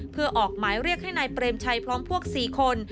เพื่อออกหมายเรียกให้นายเปรมชัยพร้อมพวก๔คน